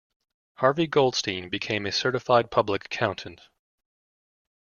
Harvey Goldstein became a certified public accountant.